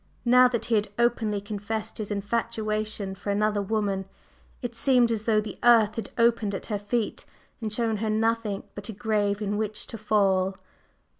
Now that he had openly confessed his infatuation for another woman, it seemed as though the earth had opened at her feet and shown her nothing but a grave in which to fall.